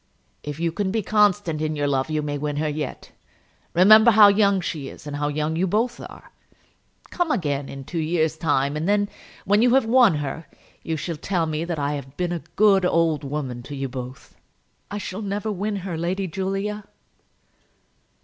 "If you can be constant in your love you may win her yet. Remember how young she is; and how young you both are. Come again in two years' time, and then, when you have won her, you shall tell me that I have been a good old woman to you both." "I shall never win her, Lady Julia."